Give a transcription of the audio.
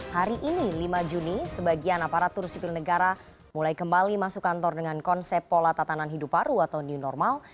hari ini lima juni sebagian aparatur sipil negara mulai kembali masuk kantor dengan konsep pola tatanan hidup baru atau new normal